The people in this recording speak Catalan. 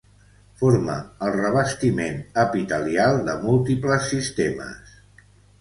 Forma el revestiment epitelial de múltiples sistemes.